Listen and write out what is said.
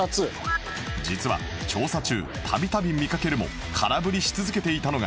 実は調査中度々見かけるも空振りし続けていたのが